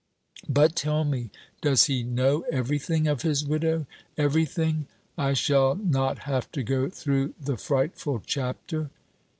But, tell me, does he know everything of his widow everything? I shall not have to go through the frightful chapter?'